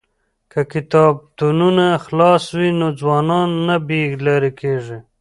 که کتابتونونه خلاص وي نو ځوانان نه بې لارې کیږي.